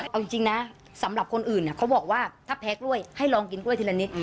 เอาจริงนะสำหรับคนอื่นเขาบอกว่าถ้าแพ้กล้วยให้ลองกินกล้วยทีละนิด